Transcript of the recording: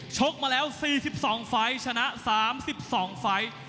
กมาแล้ว๔๒ไฟล์ชนะ๓๒ไฟล์